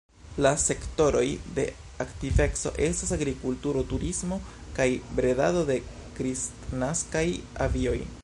La sektoroj de aktiveco estas agrikulturo, turismo kaj bredado de kristnaskaj abioj.